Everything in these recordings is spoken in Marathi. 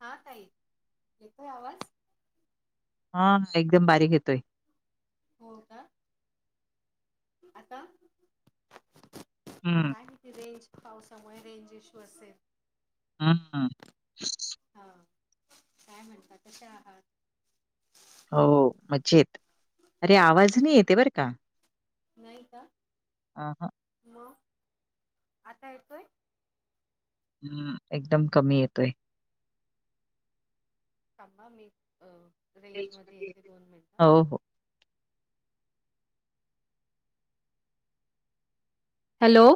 हा ताई, येतोय आवाज? हा, एकदम बारीक येतोय हो का? आता? हं, काय माहिती रेंज पावसामुळे रेंज इश्यू असेल. हां ह हा, काय म्हणता कश्या आहात? हो मज्जेत, अरे आवाज नाही येते बरं का. नाही का. अ ह मग आता येतोय? हम्म, एकदम कमी येतोय थांबा, मी रेंज मध्ये येते दोन मिनटं हो, हो. हॅलो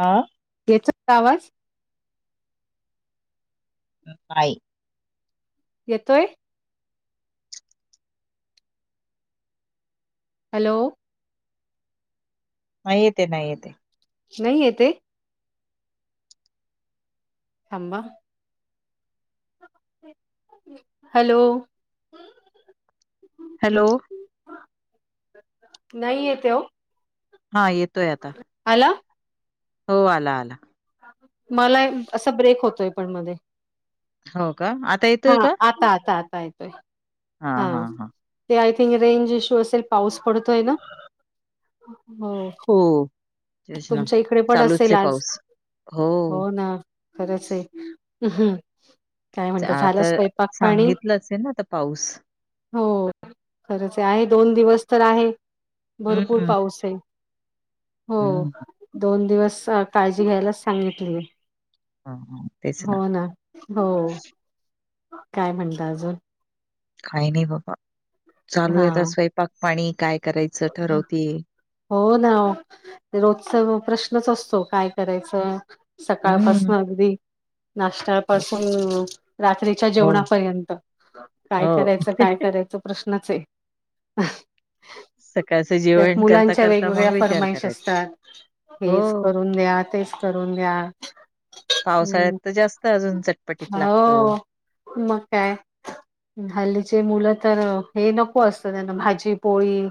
हां याचा का आवाज? नाई येतोय हॅलो नाही येते, नाही येते नई येत ए? थांबा हॅलो हॅलो नाही येते ओ. हा येतोय आता आला? हो आला आला मला, असा ब्रेक होतोय पण मध्ये हो का--आत हा आता आता आता येतोय हा. काय ते रेंज इश्यू असेल पाऊस पडतोय ना हो तेच ना. तुमच्या इकडे पण चालूच असेल आहे आज, पाऊस. हो ना खरंच आहे हम काय म्हणत्यात तर सांगितलं असेल ना आता पाऊस हो खरंच हाय आहे दोन दिवस तर आहे हं, भरपूर हं. पाऊस आहे हो हं, दोन दिवस काळजी घ्यायलाच सांगितली हं. तेच हो ना हो काय म्हणता अजून काय नाही बाबा चालू हा आहेत स्वयंपाक पाणी काय करायचं ठरवतेय हो ना रोजच प्रश्नच असतो काय करायचं हम्म. सकाळपासून अगदी नाश्ता तेच. सकाळपासून रात्रीच्या हो, जेवणापर्यंत काय हो. करायचं काय करायचं प्रश्नच आहे. सकाळचं त्यात जेवण करता मुलांच्या करता वेगवेगळ्या मग विचार फर्माईश करायचा. असतात हेच हो. करून द्या, तेच करून द्या पावसाळ्यात हम्म तर जास्त अजून चटपटीत लागत म काय हल्लीचे मुलं तर हे नको असत त्यांना भाजी पोळी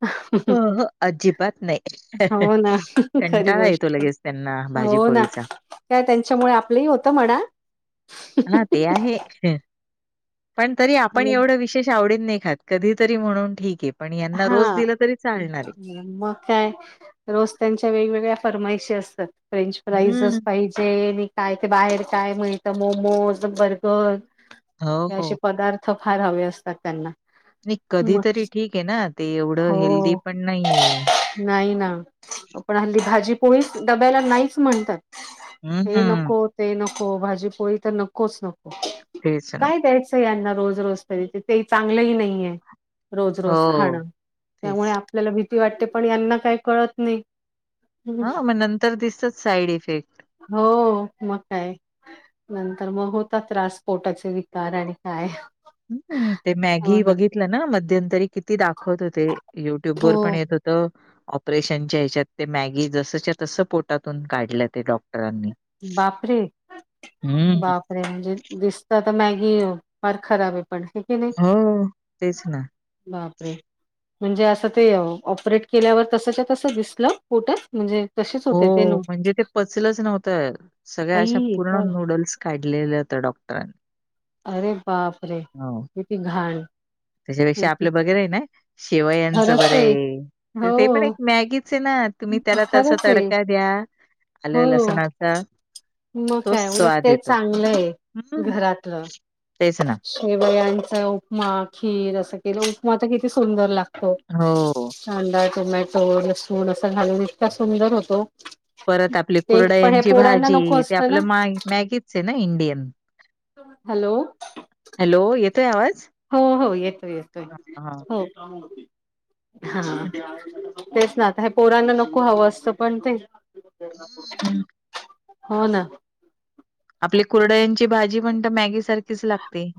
ह हो, [unintelligible] हो अजिबात नाही खरी कंटाळा येतो गोष्ट लगेच त्यांना भाजीपोळीचा. का त्यांच्यामुळे आपलंही होतं म्हणा. हा ते आहे पण तरी आपण हो एवढं विशेष आवडीने नाही खात. कधी तरी म्हणून ठीक आहे पण यांना हा रोज दिला तरी चालणार आहे. मग काय रोज त्यांच्या वेगवेगळ्या फरमाईशी असतात फ्रेंच हम्म. फ्राईजच पाहि ते नी काय ते बाहेर काय म्हणे तर मोमोज बर्गर हो, हे असे हो. पदार्थ फार हवे असतात त्यांना. नाही कधी मग तरी ठीक आहे ना ते एवढं हेल्दी हो पण नाहीये. नाही ना, पण हल्ली भाजी पोळीच डब्याला नाहीच म्हणतात. हे हम्म. नको ते नको भाजीपोळी तर नको नकोच नको तेच ना. काय द्यायचं यांना रोज रोज तरी ते तेही चांगलंही नाहीे. रोज रोज हो, खाणं त्यामुळे तेच. आपल्याला भीती वाटते पण यांना काही कळत नाही. ह मग नंतर दिसतच साईड इफेक्ट. हो, मग काय. नंतर मग होता त्रास पोटाचे विकार आणि काय ह ते मॅगी बघितलं ना मध्यंतरी किती दाखवत होते. युट्यूब हो वर पण येत हो ऑपरेशनच्या ह्याच्यात ते मॅगी जसाच्या तस पोटातून काढले ते डॉक्ट [unintelligible] बापरे हम्म ह बापरे दिसत तर मॅगी फार खराब आहे पण की नाही हो तेच ना बापरे. म्हणजे असं ते ऑपरेट केल्यावर तसच्या तस दिसलं पोटात म्हणजे तसेच हो होते ते नू म्हणजे ते पचलच नव्हतं सगळ्या अशा आई पूर्ण ग नूडल्स काढलेलं होतं डॉक्टरांनी. अरे बाप रे हो. किती घाण. त्याच्यापेक्षा आपलं बगैरे आहे ना शेवयांचं बरं आहे हो ते पण एक मॅगी सेना तुम्ही त्याला तसा खरंच आहे तडका द्या हो आलं, लसणाचा मग तोच काय उलट स्वाद ते येतो चांगलं आहे हम्म घरातलं तेच ना शेवयांचा उपमा, खीर असं केलं उपमा तर किती सुंदर लागतो. हो कांदा, टोमॅटो, लसूण असा घालून इतका सुंदर होतो. परत आपली ते पण हे कुरडयांची पोरांना भाजी नको ते असतं ना आपलं मा मॅगीच आहे ना इंडियन हॅलो हॅलो, येतोय आवाज? हो हो येतोय येतोय हा हा हो हा हा. म्हटलं- तेच ना आता ह्या पोरांना नको हवं असतं पण ते हम्म हो ना आपली कुरडयांची भाजी म्हण ती मॅगी सारखी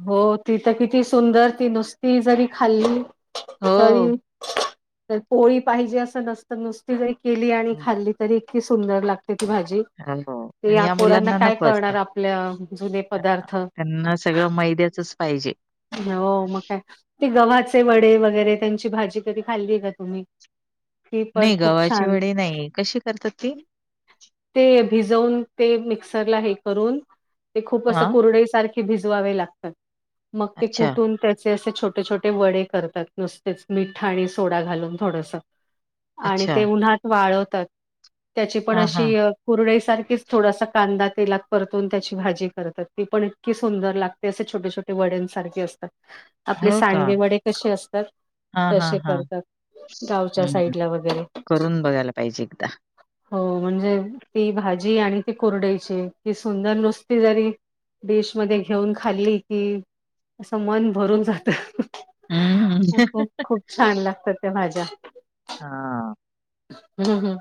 हो ती तर किती सुंदर ती नुसती जरी खाल्ली हो तरी तर पोळी पाहिजे असं नसत नुसती जरी केली आणि हम खाल्ली तरी इतकी सुंदर लागते ती भाजी हो ते पण या पोरांना मुलांना काय नको असतं कळणार आपल्या जुने पदार्थ त्यांना सगळं मैद्याचच पाहिजे. हो मग काय, ते गव्हाचे वडे वगैरे त्यांची भाजी कधी खाल्ली आहे का तुम्ही? ती पण नाही खूप गव्हाचे छान वडे नाही कशी करतात ती? ते भिजवून ते मिक्सरला हे करून ते खूप असं हा कुरडई सारखे ती भिजवावी लागतात मग ती अच्छा कुटून असे छोटे छोटे वडे करतात नुसतेच मिठ आणि सोडा घालून थोडस आणि अच्छा ते उन्हात वाळवतात त्याची पण हा अशी हा कुरडई सारखीच थोडासा कांदा तेलात परतून त्याची भाजी करतात ती पण की सुंदर लागते असे छोटे छोटे वड्यांसारखे असतात आपले हो का सांडगे वडे कसे असतात. हा हा तसे हा करतात गावच्या हम्म साईड ला वगैरे करून बघायला पाहिजे एकदा हो म्हणजे ती भाजी आणि ती कुरडयीची ती सुंदर नुसती जरी डिश मध्ये घेऊन खाल्ली की असं मन भरून जात. हम्म. खूप खूप खूप छान लागत्यात त्या भाज्या हा हा. हम्म ह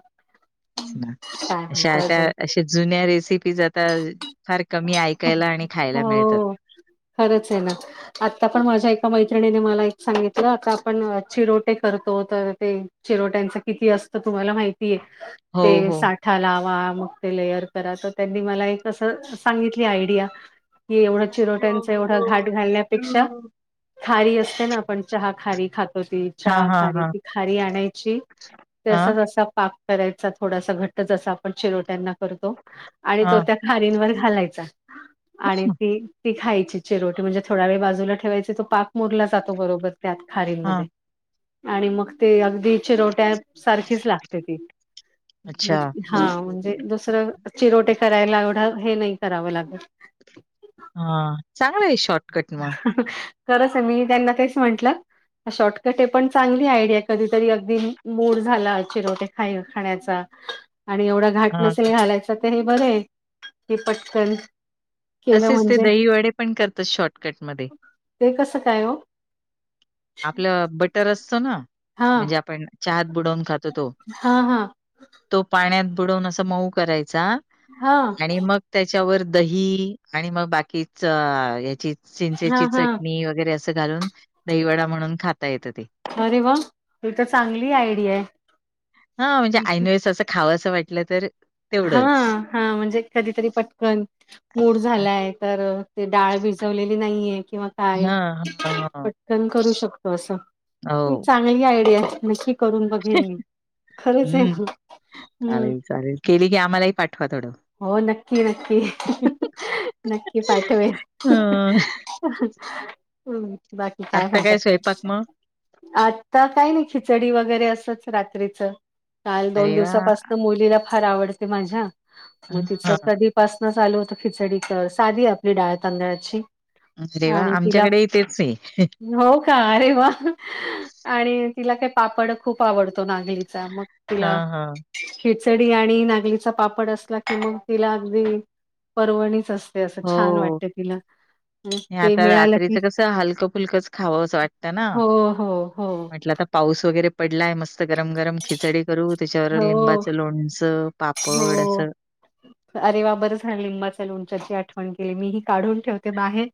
अश्या अजून त्या शी जुन्या रेसिपीज आता फार कमी ऐकायला आणि खायला मिळतात. हो खरंच आहे ना आता पण माझ्या एका मैत्रिणीने मला एक सांगितलं आता आपण चिरोटे करतो तर ते चिरोट्यांच किती असतं तुम्हाला माहितीये हो, ते हो. साठा लावा मग ते लेयर करा तर त्यांनी मला एक अस सांगितली आयडिया की एवढ चिरोट्यांच एवढं घाट घालण्यापेक्षा खारी असते ना आपण चहा खारी खातो. तो ती हां, चहा हां, खारी हां. ती खारी आणायची जसा हां, जसा पाक करायचा थोडासा घट जसा आपण चिरोट्यांना करतो आणि तो हां, त्या खारींवर घालायचा. आणि ती ती खायची चिरोटे म्हणजे थोडा वेळ बाजूला ठेवायची तो पाक मुरला जातो बरोबर. त्यात खारींमध्ये, हां. आणि मग ते अगदी चिरोट्या सारखीच लागते ती अच्छा. म्हणजे हा म्हणजे दुसरं चिरोटे करायला एवढं हे नाही करावं लागत. हा चांगलं आहे शॉर्टकट मग खरंच आहे मी त्यांना तेच म्हटलं हा शॉर्टकट हे पण चांगली आयडिया कधीतरी अगदी मूड झाला चिरोटे खाई खाण्याचा. आणि एवढा घाट हां, नसेल घालायचा ते हे बरं आहे कि पटकन. केलं तसेच ते म्हणजे दही वडे पण करतात शॉर्टकटमध्ये. ते कसं काय ओ? आपलं बटर असतो ना, हा म्हणजे आपण चहात बुडवून खातो तो. हा हा तो पाण्यात बुडवून अस मऊ करायचा हा आणि मग त्याच्यावर दही आणि मग बाकीच याची हा चिंचेची हा चटणी वगैरे अ स घालून दहीवडा म्हणून खाता येतं ते. अरे वा ही तर चांगली आयडिया. हा म्हणजे आयीनवेळेस असं खावसं वाटलं तर, हा तेवढंच. हा म्हणजे कधीतरी पटकन. मूड झालाय तर ते डाळ भिजवलेली नाहीये किंवा काय हां, हां, हां. पटकन करू शकतो असं. पण हो. चांगली आयडिया नक्की करून बघेन मी. खरंचये हं. हम् चालेल, चालेल. केली की आम्हालाही पाठवा थोडं. हो नक्की नक्की, नक्की पाठवेन. हं. हम् बाकी काय आत्ता स्वयंपाक म्हणतात? मग? आता काही नाही खिचडी वगैरे असंच रात्रीच. काल दोन अरे वाह! दिवसापासन मुलीला फार आवडते माझ्या, मग तिच हां. कधी पासन चालू होतं खिचडी कर साधी आपली डाळ तांदळाची. अरे वा आणि आमच्याकडेही तेचे. ह अरे वा आणि तिला काही पापड खूप आवडतो नागलीचा मग तुला हां, हां. खिडचडी आणि ना गलीचा पापड असला कि मग तिला अगदी परवणीच अस ते असं छान हो. वाटत तिला. मग ते आता मिळालं की रात्रीच कस हलकं फुलकंच खावं असं वाटत ना. हो हो हो. म्हटलं आता पाऊस वगैरे पडलाय मस्त गरम गरम खिचडी करू त्याच्यावर हो लिंबाचं लोणचं पाप हो अरे वा बरं झा लिंबाच्या लोणच्याची आठवण केली मी ही काढून ठेवते बाहेर.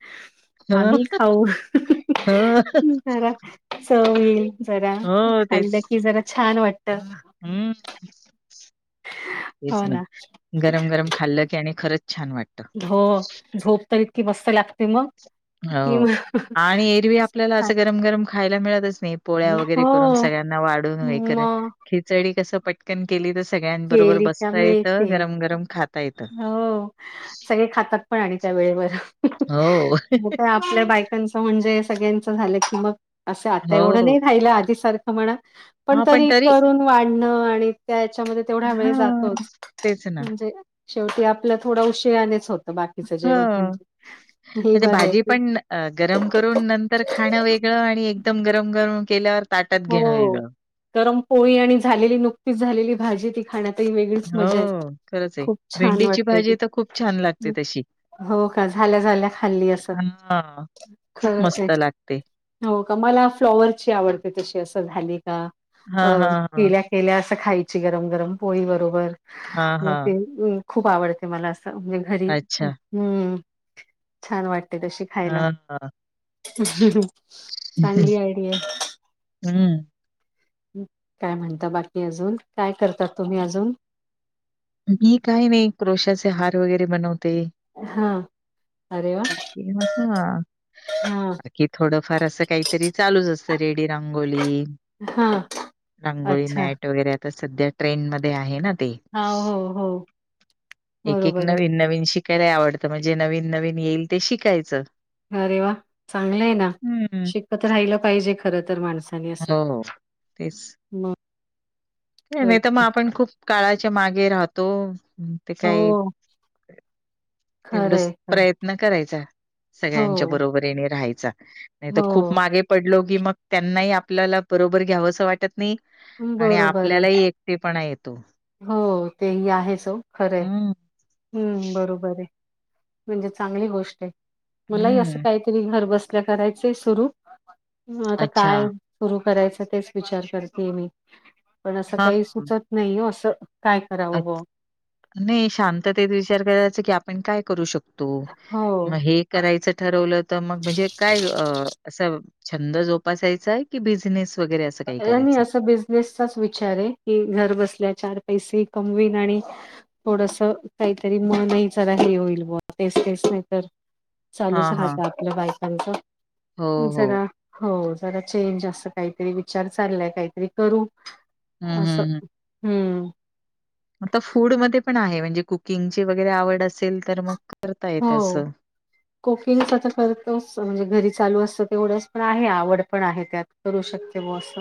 हं, आम्हीही खाऊ. हं, जरा चव येईल जरा हो खाल्लं की जरा छान वाटत. हम् तेच ना गरम गरम खाल्लं की आणि खरंच छान वाट हो झोप तर इतकी मस्त लागते मग हो कि म- आणि एरवी आ पल्याला असं गरम गरम खायला मिळतच नाही पोळ्या छान वगैरे हो करून सगळ्यांना वाढून व हे कर मग खिचडी कसं पट कन केली तर सगळ्यां बरोबर केली का बसता येतं, मिळते गरम गरम खाताता येत. हो सगळे खातात पण आणि त्या वेळेवर हो नाहीतर आपल्या बायकांचं म्हणजे सगळ्यांचं झालं की मग असं आता एवढं हो. नाही राहिलं आधी सारखं. म्हणा पण तरी करून वाढणं आणि त्याच्यामध्ये थोडा वेळ हां, जातोच तेच ना. म्हणजे शेवटी आपल्या थोडा उशरानेच होतो ह हे म्ह बरं आहे भाजी की पण गरम करून नंत तर खाणं वेगळं आणि एकदम गरम गरम केल्यावर ताटात घेणं हो वेगळं. गरम पोळी आणि झालेली नुकतीच झालेली भाजी ती खाण्यातही वेगळीच मजाय हो, खरंच आहे. खूप छान भेंडीची वाटते ती. भाजी तर खूप छान लागते तशी. हो का झाल्या झाल्या खाल्ली असं हां, खूप खरच आहे. मस्त लागते. हो का मला फ्लॉवरची आवड ते तशी असं झाली, का अ हां, हां, हां. केल्या केल्या असं खायची गरम गरम पोळी बरोबर. हां, मग हां. ते खूप आवडते मला असं म्हणजे घरी अच्छा. हम्म छान वाटत कशी खायला हां, हां. चांगली आयडी हम्म काय म्हणता बाकी अजून काय करतात तुम्ही अजून मी काय नाही क्रोशाचे हार वगैरे बनवते हा आरे वा ह हा हा बाकी थोडंफार असं काहीतरी चालूच असत रेडी रांगोली हा रांगोळी अच्छा मॅट वगैरे आता सध्या ट्रेन मध्ये आहे ना ते हा हो हो एक एक बरोबर आहे नवीन नवीन शिक लाय आवडतं म्हणजे नवीन नवीन येईल ते शिकायचं अरे वा चांगलं आहे ना हम्म. शिकत राहिलं पाहिजे खर तर माणसं हो तेच नाही तर मग आपण खूप काळाच्या मागे राहतो ते काही हो खरंय तेवढच खरं आहे. प्रयत्न करायचा सगळ्यांच्या हो बरोबरीने राहायचा नाही तर खूप हो मागे पडलो की मग त्यांनाही आपल्याला बरोबर घ्यावं असं वाटत नाही आणि बरोबर आहे आपल्यालाही एकटेपणा येतो हो हम् हम्म बरोबर आहे म्हणजे चांगली गोष्ट आहे मलाही असं हम्म काही तरी घर बसल्या करायच सुरू आता अच्छा काय सुरू करायच तेच विचार करते मी पण असं काही हां. सुचत नाही असं काय करावं अच्छा. हो नाही शांततेत विचार करायचा की आपण काय करू शकतो तो मग हो. हे करायचं ठरवलं तर मग म्हणजे काय अ असं छंद जोपासायचाय कि बिझनेस वगैरे असं काही करायचंय? बिजनेस चा विचार आहे की घर बसल्या चार पैसे कमविन आणि थोडस काहीतरी मन ही जरा हे होईल बवा तेच, तेच नाही तर चालूच हां, हां. राहत आपल्या बायकांच हो, हो. जरा हो जरा चेंज असं काहीतरी विचार चाललाय काहीतरी करू हं, अस हं, हं. हम्म. आता फूड मध्ये पण आहे म्हणजे कुकिंगची वगैरे आवड असेल तर मग. करता येतं हो. असं. कुकिंगच तर करतो म्हणजे घरी चालू असतं तेवढंच पण आहे आवड पण आहे त्यात. करू शकते बो असं.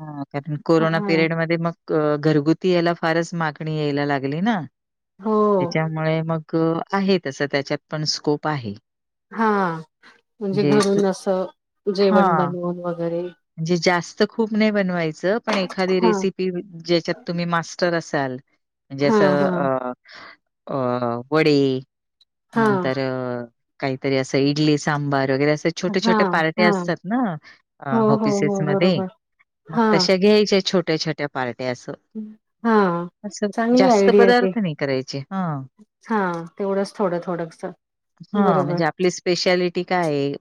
हा कारण कोरोना हां. पिरियड मध्ये मग घरगुती यायला फारच मागणी यायला लागली ना. हो. त्याच्यामुळे मग आहे तस त्याच्यात पण स्कोप आहे. हा म्हणजे घरून असं जेवण बनवून वगैरे. जे जास्त खूप नाही बनव्हायचे पण एखादि हां. रेसिपी ज्याच्यात तुम्ही मास्टर असाल म्हणजे अस हां, हां. अ वडे हां. नंतर काहीतरी असं इडली सांबार वगैरे अस छोट्या, छोट्या हां, पार्ट्या हां. असतात ना हो, हो, पिसेस हो. मध्ये बरोबर. मग हां. तशा घ्यायच्या छोट्या छोट्या पार्ट्या अस. हां. असं चांगली जास्त पदार्थ नाही करायचे हा. हा तेवढंच थोड, थोडस. हा म्हणजे आपली स्पेशालिटी काये.